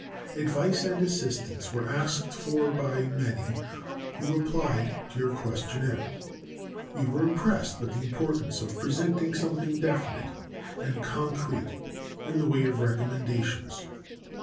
Advice and assistance were asked for by many who replied to our questionnaire. We were impressed with the importance of presenting something definite and concrete in the way of recommendations.